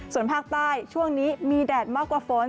ส่วนภาคใต้ช่วงนี้มีแดดมากกว่าฝน